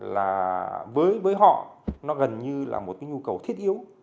là với họ nó gần như là một cái nhu cầu thiết yếu